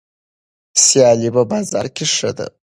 سیالي په بازار کې ښه ده.